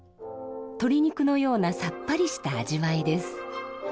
鶏肉のようなさっぱりした味わいです。